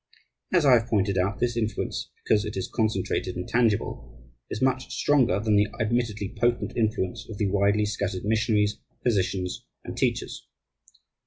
As I have pointed out, this influence, because it is concentrated and tangible, is much stronger than the admittedly potent influence of the widely scattered missionaries, physicians, and teachers.